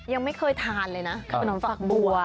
ยังไม่เคยทานเลยนะคือน้ำฟักบัว